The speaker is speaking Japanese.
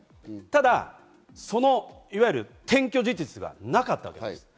ただその転居事実はなかったわけです。